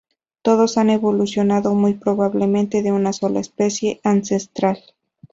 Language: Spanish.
Todos han evolucionado muy probablemente de una sola especie ancestral.